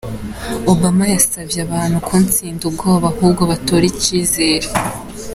Obama yasavye abantu kutsinda ubwoba ahubwo batore icizere.